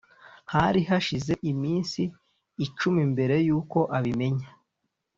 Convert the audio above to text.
hari hashize iminsi icumi mbere yuko abimenya